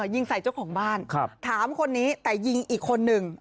ยิงใส่เจ้าของบ้านถามคนนี้แต่ยิงอีกคนนึง